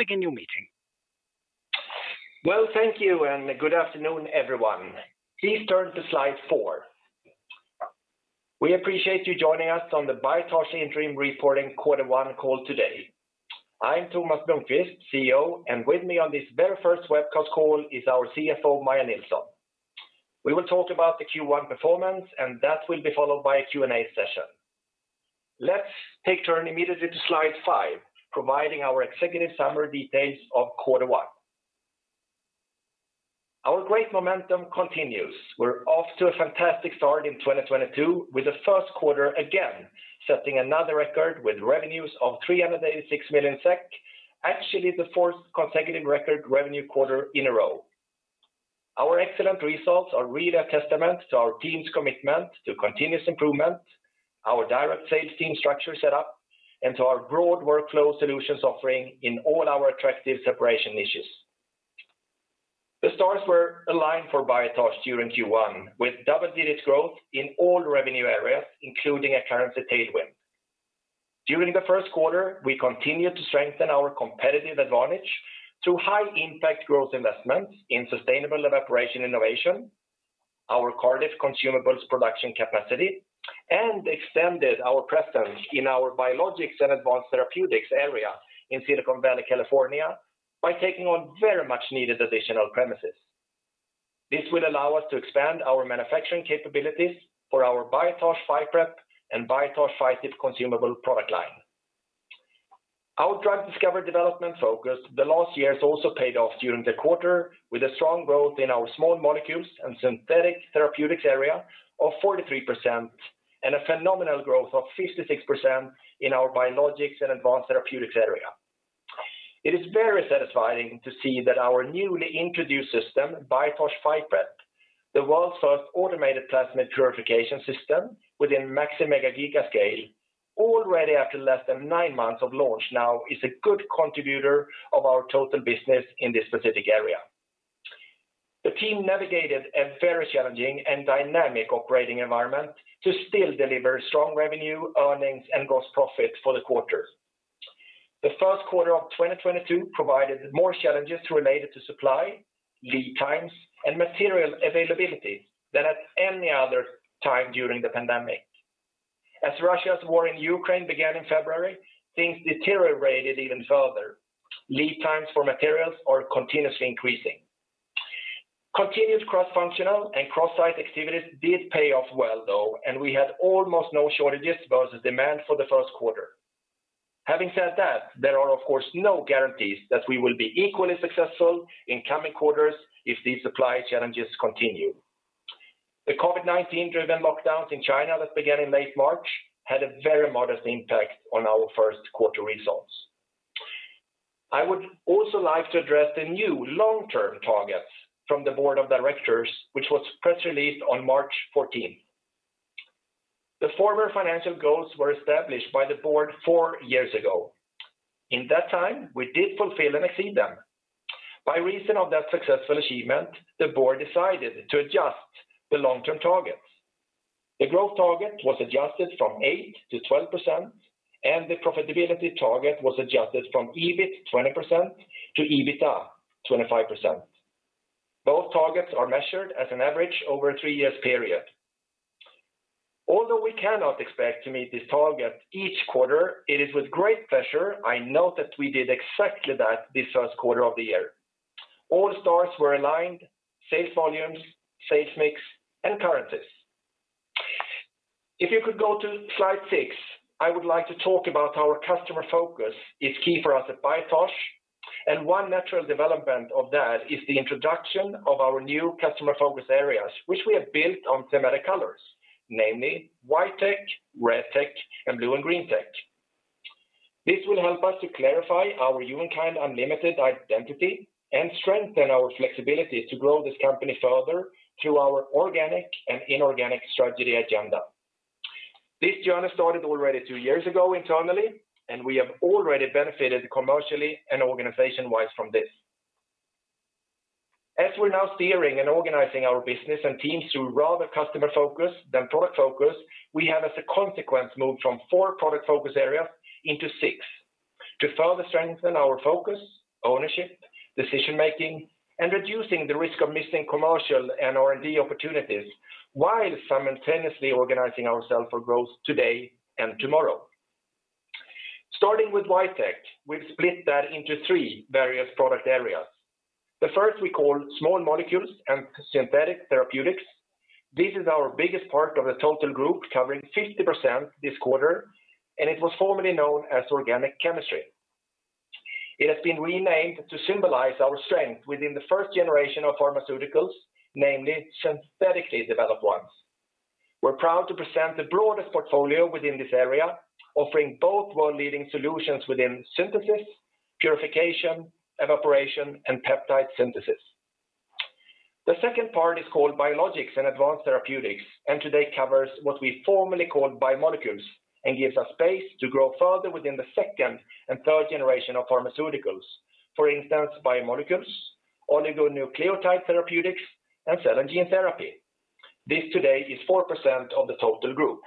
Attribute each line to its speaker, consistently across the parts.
Speaker 1: Begin your meeting.
Speaker 2: Well, thank you, and good afternoon, everyone. Please turn to slide four. We appreciate you joining us on the Biotage interim reporting quarter one call today. I'm Tomas Blomquist, CEO, and with me on this very first webcast call is our CFO, Maja Nilsson. We will talk about the Q1 performance, and that will be followed by a Q&A session. Let's turn immediately to slide five, providing our executive summary details of quarter one. Our great momentum continues. We're off to a fantastic start in 2022, with the first quarter again setting another record with revenues of 386 million SEK, actually the fourth consecutive record revenue quarter in a row. Our excellent results are really a testament to our team's commitment to continuous improvement, our direct sales team structure set up, and to our broad workflow solutions offering in all our attractive separation niches. The stars were aligned for Biotage during Q1, with double-digit growth in all revenue areas, including a currency tailwind. During the first quarter, we continued to strengthen our competitive advantage through high-impact growth investments in sustainable evaporation innovation, our Cardiff consumables production capacity, and extended our presence in our biologics and advanced therapeutics area in Silicon Valley, California, by taking on very much needed additional premises. This will allow us to expand our manufacturing capabilities for our Biotage PhyPrep and Biotage PhyTip consumable product line. Our drug discovery development focus the last years also paid off during the quarter, with a strong growth in our small molecules and synthetic therapeutics area of 43%, and a phenomenal growth of 56% in our biologics and advanced therapeutics area. It is very satisfying to see that our newly introduced system, Biotage PhyPrep, the world's first automated plasmid purification system within max and mega giga scale, already after less than nine months of launch now is a good contributor of our total business in this specific area. The team navigated a very challenging and dynamic operating environment to still deliver strong revenue, earnings, and gross profit for the quarter. The first quarter of 2022 provided more challenges related to supply, lead times, and material availability than at any other time during the pandemic. As Russia's war in Ukraine began in February, things deteriorated even further. Lead times for materials are continuously increasing. Continuous cross-functional and cross-site activities did pay off well, though, and we had almost no shortages versus demand for the first quarter. Having said that, there are of course no guarantees that we will be equally successful in coming quarters if these supply challenges continue. The COVID-19 driven lockdowns in China that began in late March had a very modest impact on our first quarter results. I would also like to address the new long-term targets from the board of directors, which was press released on March 14th. The former financial goals were established by the board four years ago. In that time, we did fulfill and exceed them. By reason of that successful achievement, the board decided to adjust the long-term targets. The growth target was adjusted from 8%-12%, and the profitability target was adjusted from EBIT 20% to EBITDA 25%. Both targets are measured as an average over a three-year period. Although we cannot expect to meet this target each quarter, it is with great pleasure I note that we did exactly that this first quarter of the year. All stars were aligned, sales volumes, sales mix, and currencies. If you could go to slide six, I would like to talk about our customer focus, which is key for us at Biotage, and one natural development of that is the introduction of our new customer focus areas, which we have built on thematic colors, namely White Tech, Red Tech, and Blue and Green Tech. This will help us to clarify our HumanKind Unlimited identity and strengthen our flexibility to grow this company further through our organic and inorganic strategy agenda. This journey started already two years ago internally, and we have already benefited commercially and organization-wise from this. As we're now steering and organizing our business and teams to rather customer focus than product focus, we have as a consequence moved from four product focus areas into six to further strengthen our focus, ownership, decision-making, and reducing the risk of missing commercial and R&D opportunities while simultaneously organizing ourselves for growth today and tomorrow. Starting with White Tech, we've split that into three various product areas. The first we call small molecules and synthetic therapeutics. This is our biggest part of the total group, covering 50% this quarter, and it was formerly known as organic chemistry. It has been renamed to symbolize our strength within the first generation of pharmaceuticals, namely synthetically developed ones. We're proud to present the broadest portfolio within this area, offering both world-leading solutions within synthesis, purification, evaporation, and peptide synthesis. The second part is called biologics and advanced therapeutics, and today covers what we formerly called biomolecules and gives us space to grow further within the second and third generation of pharmaceuticals. For instance, biomolecules, oligonucleotide therapeutics, and cell and gene therapy. This today is 4% of the total group.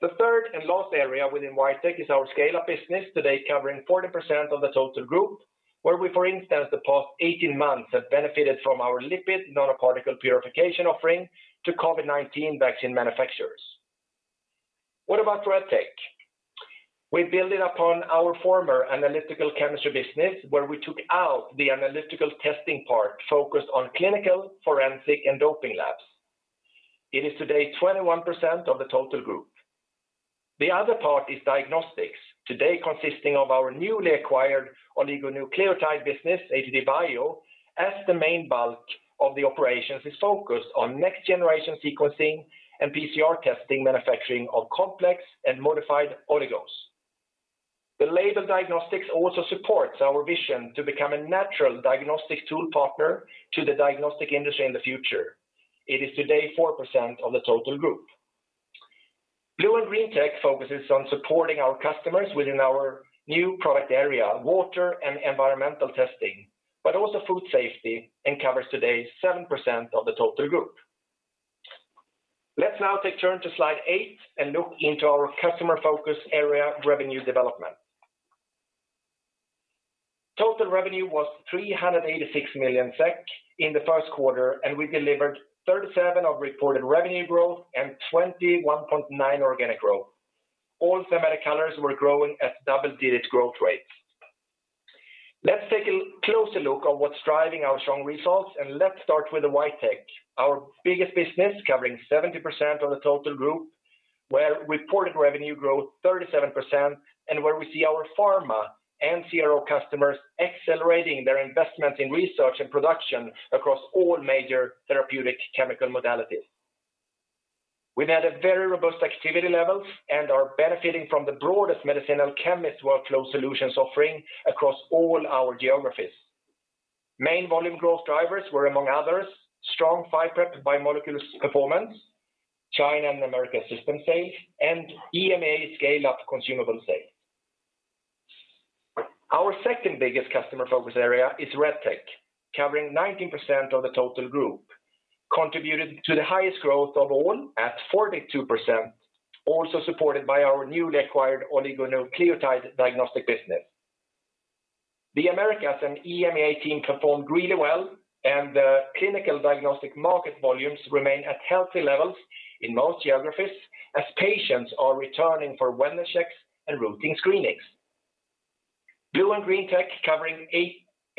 Speaker 2: The third and last area within White Tech is our scale-up business today covering 40% of the total group, where we, for instance, the past 18 months have benefited from our lipid nanoparticle purification offering to COVID-19 vaccine manufacturers. What about Red Tech? We build it upon our former analytical chemistry business, where we took out the analytical testing part focused on clinical, forensic, and doping labs. It is today 21% of the total group. The other part is diagnostics, today consisting of our newly acquired oligonucleotide business, ATDBio, as the main bulk of the operations is focused on next generation sequencing and PCR testing, manufacturing of complex and modified oligos. The label diagnostics also supports our vision to become a natural diagnostic tool partner to the diagnostic industry in the future. It is today 4% of the total group. Blue and Green Tech focuses on supporting our customers within our new product area, water and environmental testing, but also food safety and covers today 7% of the total group. Let's now turn to slide eight and look into our customer focus area revenue development. Total revenue was 386 million SEK in the first quarter, and we delivered 37% reported revenue growth and 21.9% organic growth. All thematic colors were growing at double-digit growth rates. Let's take a closer look on what's driving our strong results, and let's start with the White Tech, our biggest business covering 70% of the total group, where reported revenue growth 37%, and where we see our pharma and CRO customers accelerating their investment in research and production across all major therapeutic chemical modalities. We've had a very robust activity levels and are benefiting from the broadest medicinal chemist workload solutions offering across all our geographies. Main volume growth drivers were, among others, strong PhyPrep biomolecules performance, China and America system sales, and EMEA scale-up consumable sales. Our second-biggest customer focus area is Red Tech, covering 19% of the total group, contributed to the highest growth of all at 42%, also supported by our newly acquired oligonucleotide diagnostic business. The Americas and EMEA team performed really well, and the clinical diagnostic market volumes remain at healthy levels in most geographies as patients are returning for wellness checks and routine screenings. Blue and Green Tech, covering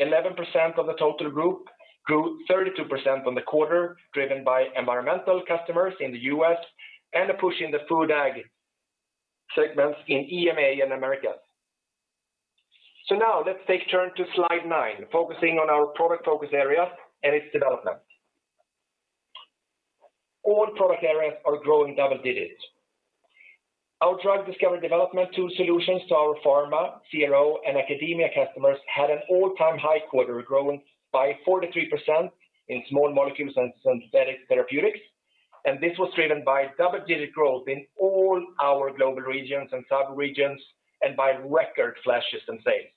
Speaker 2: 8%-11% of the total group, grew 32% on the quarter, driven by environmental customers in the U.S. and a push in the Food & Ag segments in EMEA and Americas. Now let's turn to slide nine, focusing on our product focus area and its development. All product areas are growing double digits. Our drug discovery development tool solutions to our pharma, CRO, and academia customers had an all-time high quarter growing by 43% in small molecules and synthetic therapeutics. This was driven by double-digit growth in all our global regions and sub-regions and by record flash system sales.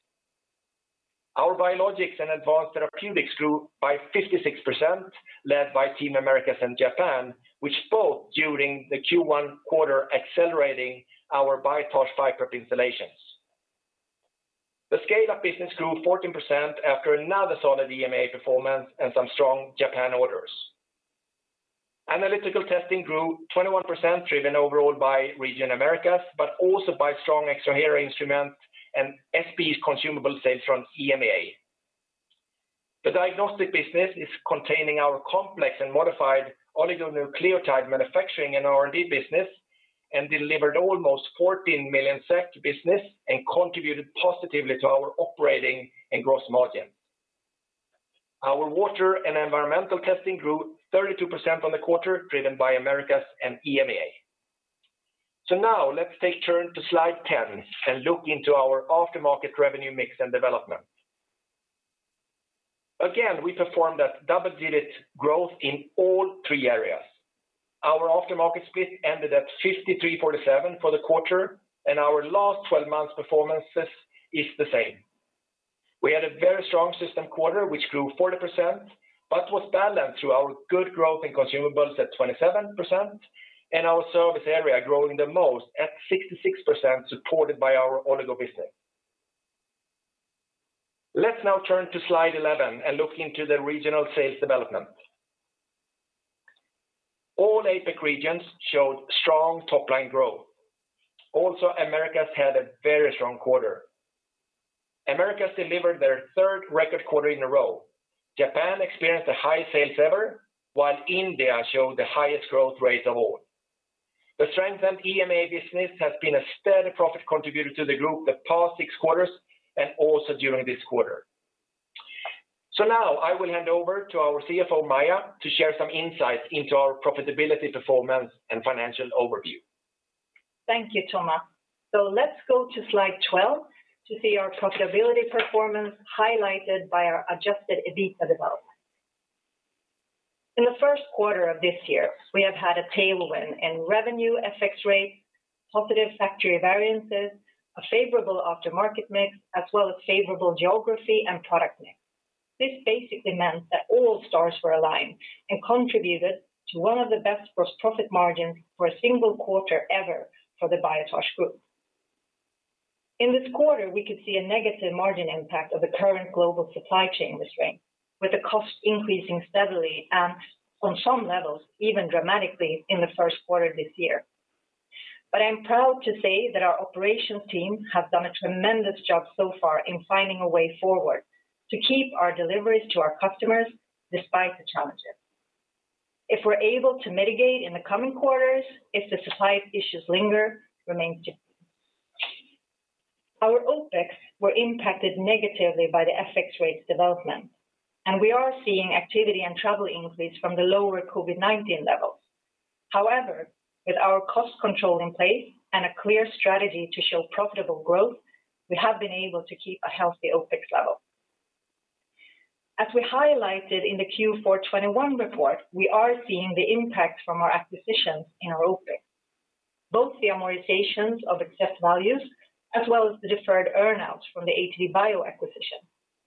Speaker 2: Our biologics and advanced therapeutics grew by 56%, led by Team Americas and Japan, which both during the Q1 quarter accelerating our Biotage PhyPrep installations. The scale-up business grew 14% after another solid EMEA performance and some strong Japan orders. Analytical testing grew 21%, driven overall by region Americas, but also by strong Extrahera instruments and SPE's consumable sales from EMEA. The diagnostic business is containing our complex and modified oligonucleotide manufacturing and R&D business and delivered almost 14 million to business and contributed positively to our operating and gross margin. Our water and environmental testing grew 32% on the quarter, driven by Americas and EMEA. Now let's turn to slide 10 and look into our aftermarket revenue mix and development. Again, we performed at double-digit growth in all three areas. Our aftermarket split ended at 53/47 for the quarter, and our last 12 months performance is the same. We had a very strong system quarter, which grew 40% but was balanced through our good growth in consumables at 27% and our service area growing the most at 66% supported by our oligo business. Let's now turn to slide 11 and look into the regional sales development. All eight big regions showed strong top-line growth. Also, Americas had a very strong quarter. Americas delivered their third record quarter in a row. Japan experienced the highest sales ever, while India showed the highest growth rates of all. The strengthened EMEA business has been a steady profit contributor to the group the past six quarters and also during this quarter. Now I will hand over to our CFO, Maja, to share some insights into our profitability performance and financial overview.
Speaker 3: Thank you, Thomas. Let's go to slide 12 to see our profitability performance highlighted by our adjusted EBITDA development. In the first quarter of this year, we have had a tailwind in revenue FX rate, positive factory variances, a favorable aftermarket mix, as well as favorable geography and product mix. This basically meant that all stars were aligned and contributed to one of the best gross profit margin for a single quarter ever for the Biotage Group. In this quarter, we could see a negative margin impact of the current global supply chain restraint, with the cost increasing steadily and, on some levels, even dramatically in the first quarter this year. I'm proud to say that our operations team have done a tremendous job so far in finding a way forward to keep our deliveries to our customers despite the challenges. If we're able to mitigate in the coming quarters if the supply issues linger, it remains to be seen. Our OpEx were impacted negatively by the FX rates development, and we are seeing activity and travel increase from the lower COVID-19 levels. However, with our cost control in place and a clear strategy to show profitable growth, we have been able to keep a healthy OpEx level. As we highlighted in the Q4 2021 report, we are seeing the impact from our acquisitions in our OpEx. Both the amortizations of excess values, as well as the deferred earn-outs from the ATDBio acquisition,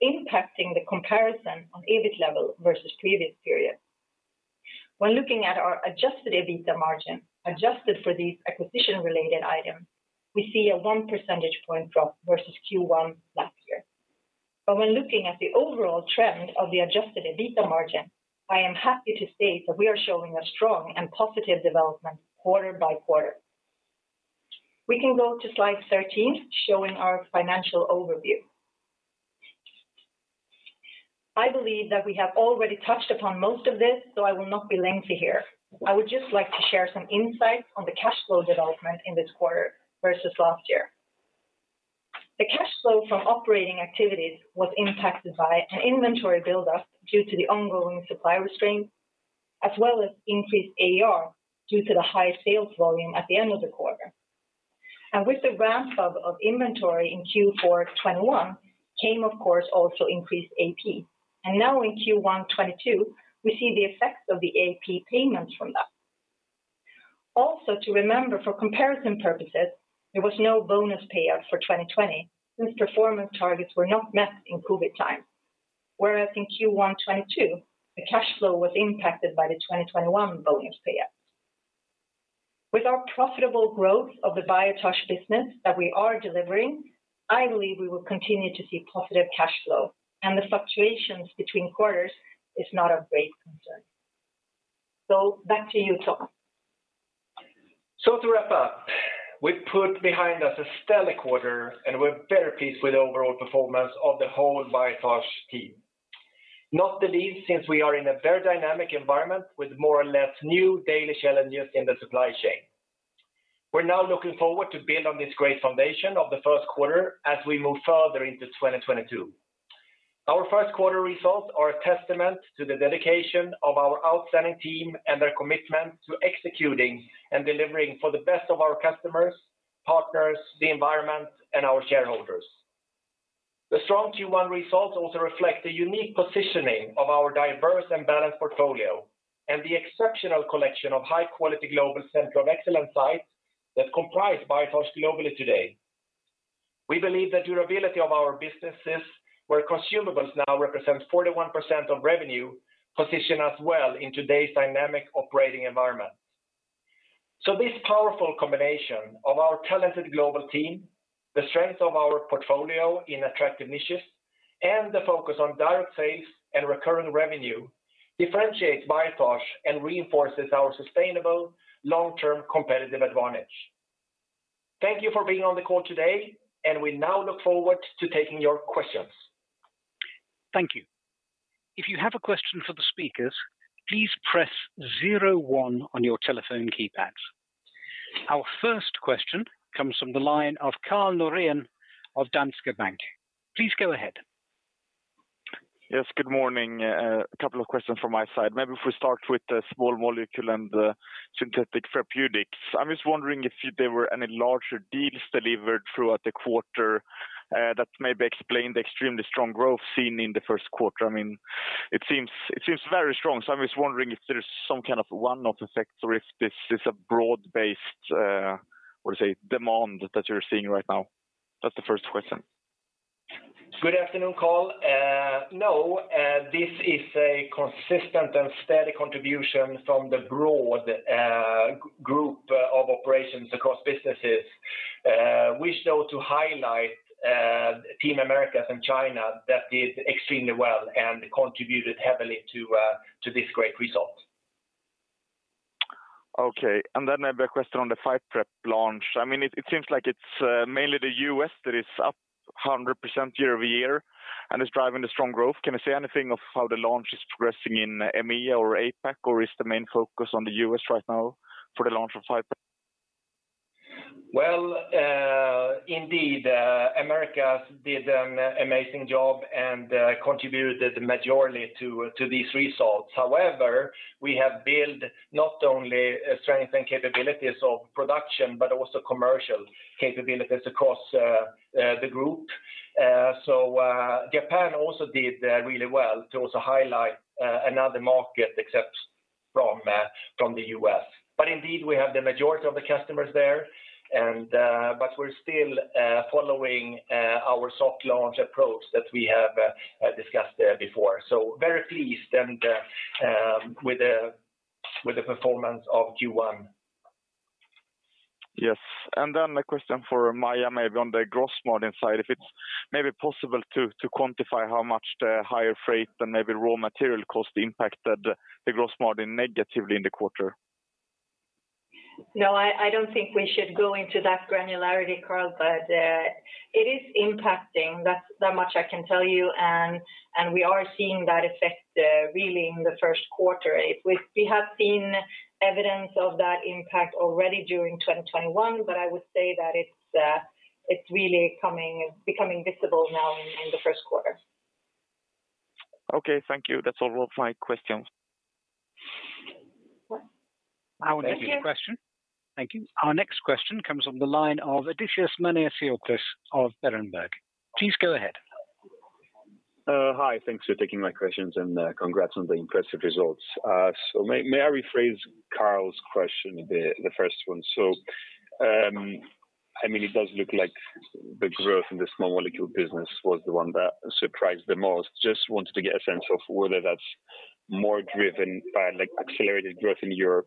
Speaker 3: impacting the comparison on EBIT level versus previous period. When looking at our adjusted EBITDA margin, adjusted for these acquisition related items, we see a 1 percentage point drop versus Q1 last year. When looking at the overall trend of the adjusted EBITDA margin, I am happy to state that we are showing a strong and positive development quarter by quarter. We can go to slide 13, showing our financial overview. I believe that we have already touched upon most of this, so I will not be lengthy here. I would just like to share some insight on the cash flow development in this quarter versus last year. The cash flow from operating activities was impacted by an inventory buildup due to the ongoing supply restraint, as well as increased AR due to the high sales volume at the end of the quarter. With the ramp up of inventory in Q4 2021, came, of course, also increased AP. Now in Q1 2022, we see the effects of the AP payments from that. Also to remember for comparison purposes, there was no bonus payout for 2020, since performance targets were not met in COVID time. Whereas in Q1 2022, the cash flow was impacted by the 2021 bonus payout. With our profitable growth of the Biotage business that we are delivering, I believe we will continue to see positive cash flow. The fluctuations between quarters is not of great concern. Back to you, Tom.
Speaker 2: To wrap up, we put behind us a stellar quarter, and we're very pleased with the overall performance of the whole Biotage team. Not the least, since we are in a very dynamic environment with more or less new daily challenges in the supply chain. We're now looking forward to build on this great foundation of the first quarter as we move further into 2022. Our first quarter results are a testament to the dedication of our outstanding team and their commitment to executing and delivering for the best of our customers, partners, the environment, and our shareholders. The strong Q1 results also reflect the unique positioning of our diverse and balanced portfolio and the exceptional collection of high-quality global center of excellence sites that comprise Biotage globally today. We believe the durability of our businesses, where consumables now represent 41% of revenue, position us well in today's dynamic operating environment. This powerful combination of our talented global team, the strength of our portfolio in attractive niches, and the focus on direct sales and recurring revenue differentiates Biotage and reinforces our sustainable long-term competitive advantage. Thank you for being on the call today, and we now look forward to taking your questions.
Speaker 1: Thank you. If you have a question for the speakers, please press zero one on your telephone keypads. Our first question comes from the line of Karl Norén of Danske Bank. Please go ahead.
Speaker 4: Yes, good morning. A couple of questions from my side. Maybe if we start with the small molecule and the synthetic therapeutics. I'm just wondering if there were any larger deals delivered throughout the quarter that maybe explained the extremely strong growth seen in the first quarter. I mean, it seems very strong. I'm just wondering if there's some kind of one-off effect or if this is a broad-based, what to say, demand that you're seeing right now. That's the first question.
Speaker 2: Good afternoon, Karl. No, this is a consistent and steady contribution from the broad group of operations across businesses. We chose to highlight the Americas and China that did extremely well and contributed heavily to this great result.
Speaker 4: Okay. Then I have a question on the PhyPrep launch. I mean, it seems like it's mainly the U.S. that is up 100% year-over-year and is driving the strong growth. Can you say anything about how the launch is progressing in EMEA or APAC, or is the main focus on the U.S. right now for the launch of PhyPrep?
Speaker 2: Well, indeed, America did an amazing job and contributed the majority to these results. However, we have built not only strength and capabilities of production, but also commercial capabilities across the group. Japan also did really well to also highlight another market except from the U.S. Indeed, we have the majority of the customers there and but we're still following our soft launch approach that we have discussed there before. Very pleased with the performance of Q1.
Speaker 4: Yes. A question for Maja, maybe on the gross margin side, if it's maybe possible to quantify how much the higher freight and maybe raw material cost impacted the gross margin negatively in the quarter?
Speaker 3: No, I don't think we should go into that granularity, Karl, but it is impacting, that much I can tell you. We are seeing that effect really in the first quarter. We have seen evidence of that impact already during 2021, but I would say that it's really becoming visible now in the first quarter.
Speaker 4: Okay, thank you. That's all of my questions.
Speaker 3: Thank you.
Speaker 1: Our next question. Thank you. Our next question comes from the line of Odysseas Manesiotis of Berenberg. Please go ahead.
Speaker 5: Hi, thanks for taking my questions, and congrats on the impressive results. May I rephrase Karl's question, the first one? I mean, it does look like the growth in the small molecule business was the one that surprised the most. Just wanted to get a sense of whether that's more driven by like, accelerated growth in your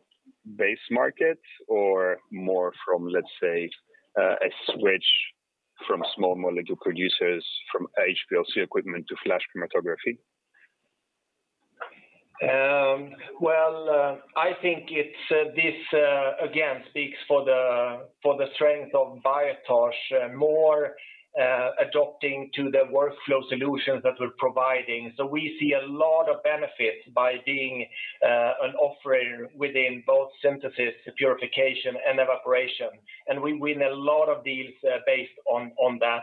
Speaker 5: base market or more from, let's say, a switch from small molecule producers from HPLC equipment to flash chromatography.
Speaker 2: Well, I think it again speaks for the strength of Biotage. More adapting to the workflow solutions that we're providing. We see a lot of benefit by being an operator within both synthesis, purification, and evaporation. We win a lot of deals based on that.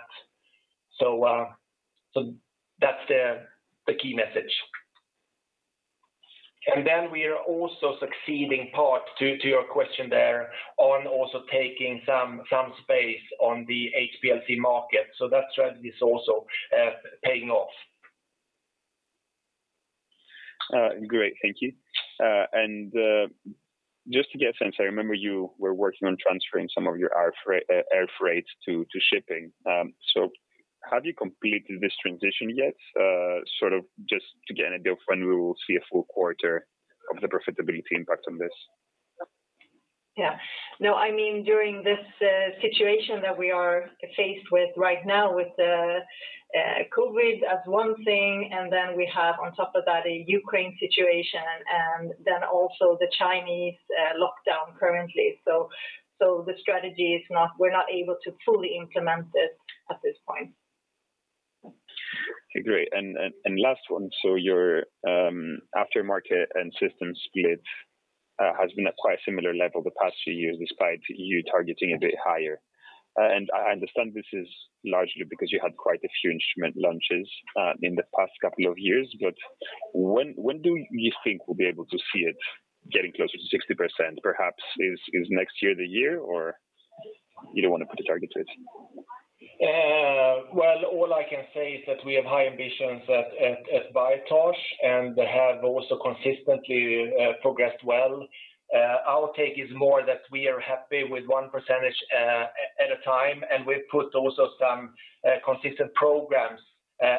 Speaker 2: That's the key message. We are also succeeding, in part, to your question there on also taking some space on the HPLC market. That strategy is also paying off.
Speaker 5: Great. Thank you. Just to get a sense, I remember you were working on transferring some of your air freight to shipping. Have you completed this transition yet? Sort of just to get an idea of when we will see a full quarter of the profitability impact on this.
Speaker 3: Yeah. No, I mean, during this situation that we are faced with right now with the COVID as one thing, and then we have on top of that a Ukraine situation, and then also the Chinese lockdown currently. We're not able to fully implement this at this point.
Speaker 5: Okay, great. Last one. Your aftermarket and system split has been at quite a similar level the past few years, despite you targeting a bit higher. I understand this is largely because you had quite a few instrument launches in the past couple of years. When do you think we'll be able to see it getting closer to 60%? Perhaps is next year the year, or you don't want to put a target to it?
Speaker 2: Well, all I can say is that we have high ambitions at Biotage and have also consistently progressed well. Our take is more that we are happy with 1 percentage at a time, and we've put also some consistent programs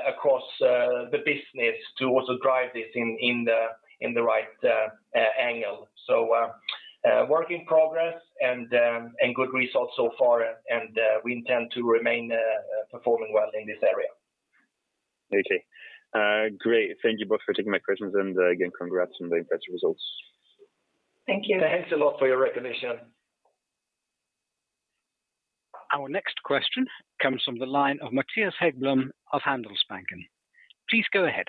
Speaker 2: across the business to also drive this in the right angle. Work in progress and good results so far, and we intend to remain performing well in this area.
Speaker 5: Okay. Great. Thank you both for taking my questions, and again, congrats on the impressive results.
Speaker 3: Thank you.
Speaker 2: Thanks a lot for your recognition.
Speaker 1: Our next question comes from the line of Mattias Häggblom of Handelsbanken. Please go ahead.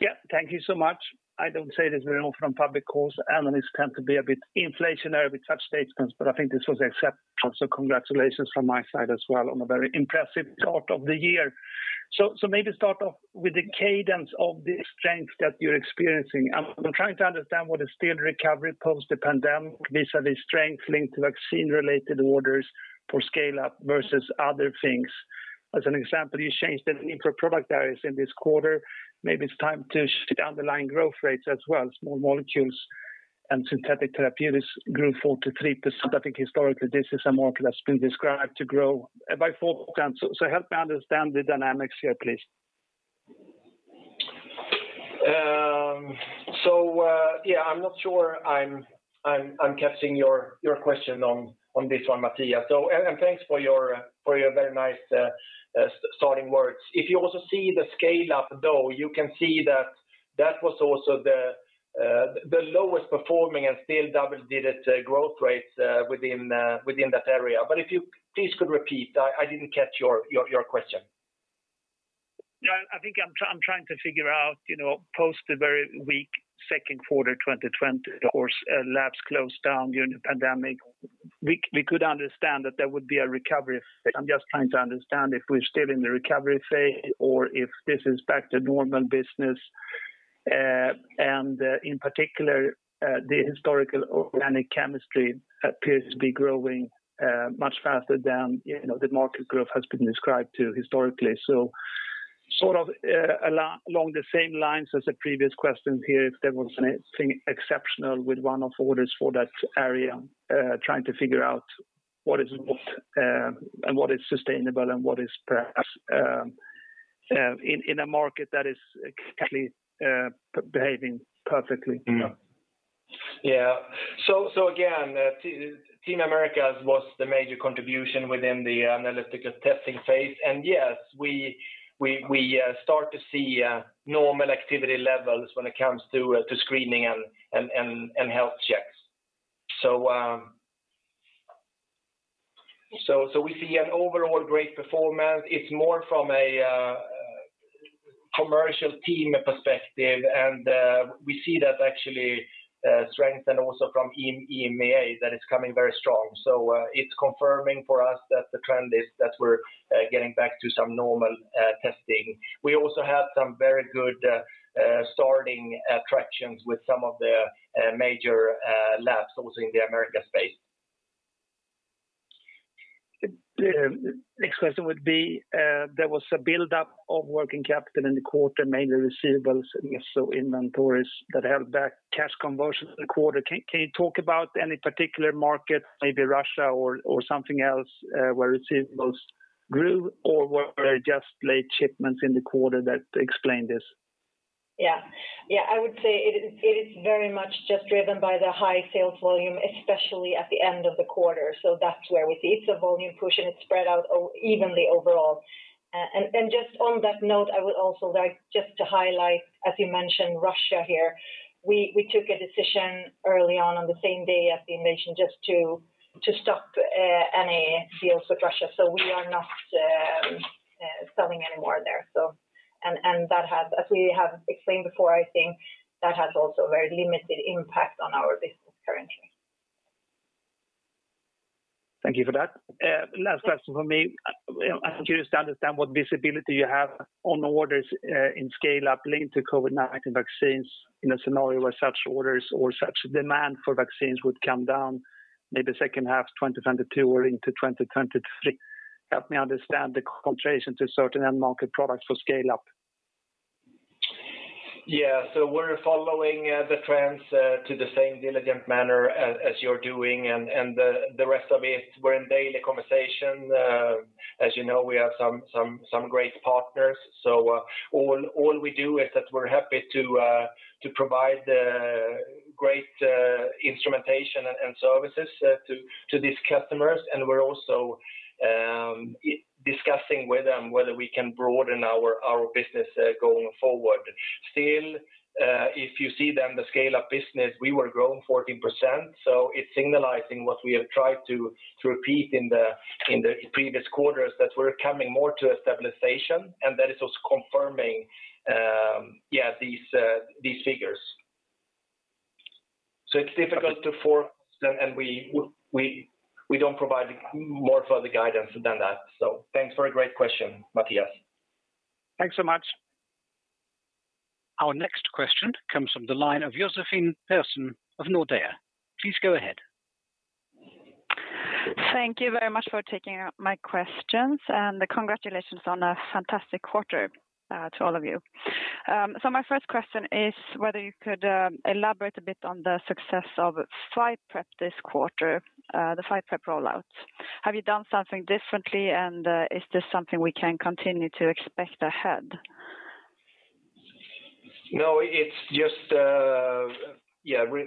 Speaker 6: Yeah, thank you so much. I don't say this very often in public calls. Analysts tend to be a bit inflationary with such statements, but I think this was exceptional. Congratulations from my side as well on a very impressive start of the year. Maybe start off with the cadence of the strength that you're experiencing. I'm trying to understand what is still recovery post the pandemic, vis-a-vis strength linked to vaccine related orders for scale up versus other things. As an example, you changed the number of product areas in this quarter. Maybe it's time to shift underlying growth rates as well. Small molecules and synthetic therapeutics grew 4%-3%. I think historically this is a market that's been described to grow by 4%. Help me understand the dynamics here, please.
Speaker 2: I'm not sure I'm catching your question on this one, Mattias. And thanks for your very nice starting words. If you also see the scale up though, you can see that that was also the lowest performing and still double-digit growth rate within that area. If you please could repeat, I didn't catch your question.
Speaker 6: Yeah, I think I'm trying to figure out, you know, post the very weak second quarter 2020, of course, labs closed down during the pandemic. We could understand that there would be a recovery effect. I'm just trying to understand if we're still in the recovery phase or if this is back to normal business. In particular, the historical organic chemistry appears to be growing much faster than, you know, the market growth has been described to historically. Sort of, along the same lines as the previous question here, if there was anything exceptional with one-off orders for that area, trying to figure out what is what, and what is sustainable and what is perhaps in a market that is actually behaving perfectly.
Speaker 2: Yeah. Again, Team Americas was the major contribution within the analytical testing phase. Yes, we start to see normal activity levels when it comes to screening and health checks. We see an overall great performance. It's more from a commercial team perspective. We see that actually strength and also from EMEA that it's coming very strong. It's confirming for us that the trend is that we're getting back to some normal testing. We also have some very good starting interactions with some of the major labs also in the Americas.
Speaker 6: The next question would be, there was a buildup of working capital in the quarter, mainly receivables and also inventories that held back cash conversion in the quarter. Can you talk about any particular market, maybe Russia or something else, where receivables grew? Or were there just late shipments in the quarter that explain this?
Speaker 3: Yeah. Yeah, I would say it is very much just driven by the high sales volume, especially at the end of the quarter. That's where we see it's a volume push, and it's spread out evenly overall. Just on that note, I would also like just to highlight, as you mentioned Russia here, we took a decision early on the same day as you mentioned, just to stop any deals with Russia. We are not selling anymore there. That has, as we have explained before, I think, also a very limited impact on our business currently.
Speaker 6: Thank you for that. Last question from me. You know, I'm curious to understand what visibility you have on the orders in scale-up linked to COVID-19 vaccines in a scenario where such orders or such demand for vaccines would come down maybe second half 2022 or into 2023. Help me understand the concentration to certain end market products for scale-up.
Speaker 2: Yeah. We're following the trends to the same diligent manner as you're doing. The rest of it, we're in daily conversation. As you know, we have some great partners. All we do is that we're happy to provide the great instrumentation and services to these customers. We're also discussing with them whether we can broaden our business going forward. Still, if you see then the scale-up business, we were growing 14%. It's signaling what we have tried to repeat in the previous quarters, that we're coming more to a stabilization, and that is also confirming these figures. It's difficult to forecast, and we don't provide more further guidance than that. Thanks for a great question, Mattias.
Speaker 1: Thanks so much. Our next question comes from the line of Josefine Persson of Nordea. Please go ahead.
Speaker 7: Thank you very much for taking my questions, and congratulations on a fantastic quarter to all of you. My first question is whether you could elaborate a bit on the success of PhyPrep this quarter, the PhyPrep rollout. Have you done something differently? Is this something we can continue to expect ahead?
Speaker 2: No, it's just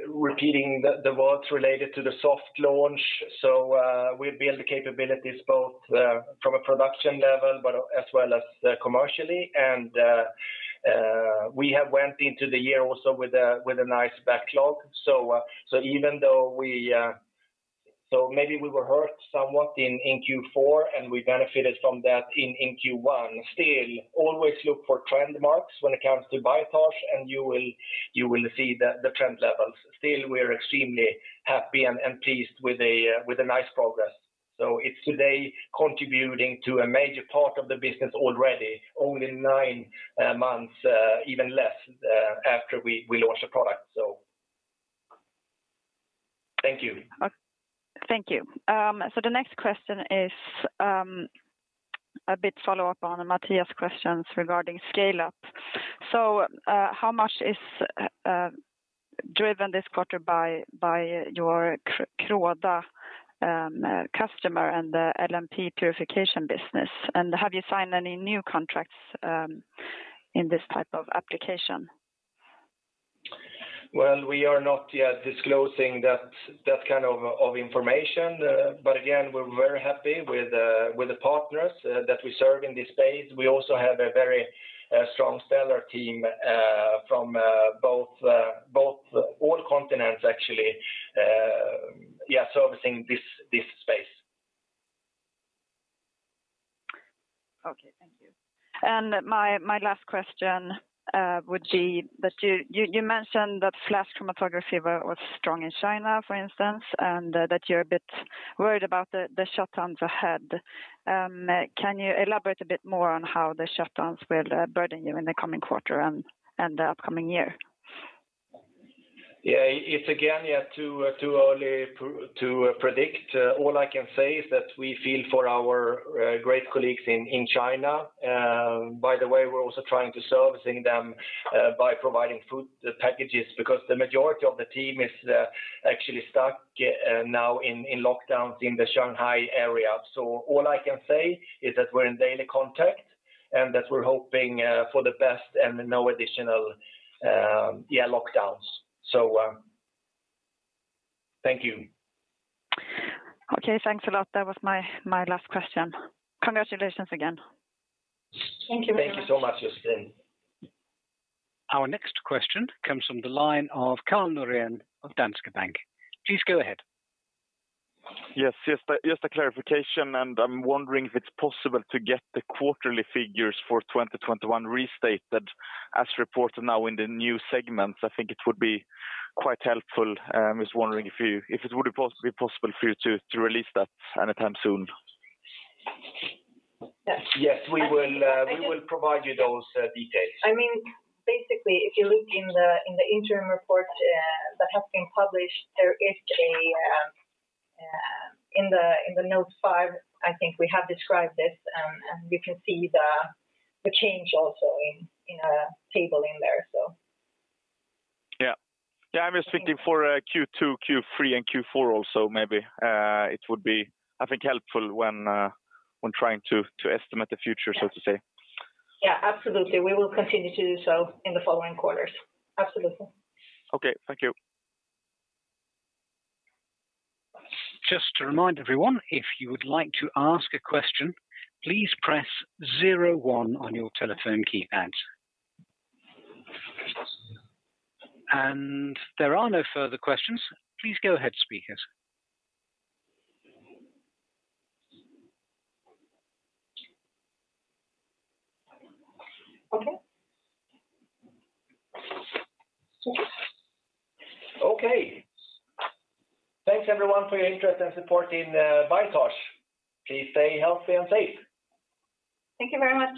Speaker 2: repeating the words related to the soft launch. We build the capabilities both from a production level, but as well as commercially. We have went into the year also with a nice backlog. Maybe we were hurt somewhat in Q4, and we benefited from that in Q1. Still, always look for trend marks when it comes to Biotage, and you will see the trend levels. Still, we are extremely happy and pleased with a nice progress. It's today contributing to a major part of the business already, only nine months, even less, after we launched the product. Thank you.
Speaker 7: Thank you. The next question is, a bit follow-up on Mattias' questions regarding scale-up. How much is driven this quarter by your Croda customer and the LNP purification business? Have you signed any new contracts, in this type of application?
Speaker 2: Well, we are not yet disclosing that kind of information. But again, we're very happy with the partners that we serve in this space. We also have a very strong stellar team from all continents actually servicing this space.
Speaker 7: Okay, thank you. My last question would be that you mentioned that flash chromatography was strong in China, for instance, and that you're a bit worried about the shutdowns ahead. Can you elaborate a bit more on how the shutdowns will burden you in the coming quarter and the upcoming year?
Speaker 2: It's again too early to predict. All I can say is that we feel for our great colleagues in China. By the way, we're also trying to service them by providing food packages because the majority of the team is actually stuck now in lockdowns in the Shanghai area. All I can say is that we're in daily contact and that we're hoping for the best and no additional lockdowns. Thank you.
Speaker 7: Okay, thanks a lot. That was my last question. Congratulations again.
Speaker 3: Thank you very much.
Speaker 2: Thank you so much, Josefine.
Speaker 1: Our next question comes from the line of Karl Norén of Danske Bank. Please go ahead.
Speaker 4: Yes. Just a clarification, I'm wondering if it's possible to get the quarterly figures for 2021 restated as reported now in the new segments. I think it would be quite helpful. Just wondering if it would be possible for you to release that anytime soon?
Speaker 3: Yes.
Speaker 2: Yes. We will provide you those details.
Speaker 3: I mean, basically, if you look in the interim report that has been published, there is, in the note five, I think we have described this, and you can see the change also in a table in there, so.
Speaker 4: Yeah. Yeah, I was thinking for Q2, Q3, and Q4 also, maybe. It would be, I think, helpful when trying to estimate the future, so to say.
Speaker 3: Yeah. Yeah, absolutely. We will continue to do so in the following quarters. Absolutely.
Speaker 4: Okay. Thank you.
Speaker 1: Just to remind everyone, if you would like to ask a question, please press zero one on your telephone keypad. There are no further questions. Please go ahead, speakers.
Speaker 3: Okay.
Speaker 2: Okay. Thanks everyone for your interest and support in Biotage. Please stay healthy and safe.
Speaker 3: Thank you very much.